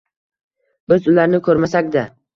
Biz ularni ko’rmasak-da